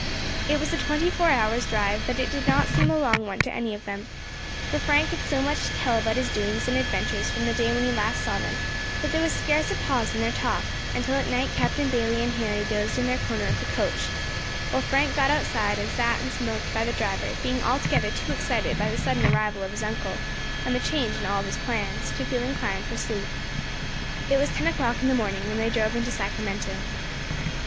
It was a twenty four hours' drive; but it did not seem a long one to any of them, for Frank had so much to tell about his doings and adventures from the day when he last saw them, that there was scarce a pause in their talk, until at night Captain Bayley and Harry dozed in their corner of the coach, while Frank got outside and sat and smoked by the driver, being altogether too excited by the sudden arrival of his uncle, and the change in all his plans, to feel inclined for sleep. It was ten o'clock in the morning when they drove into Sacramento.